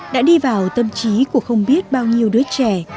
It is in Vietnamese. đã đi vào tâm trí của không biết bao nhiêu đứa trẻ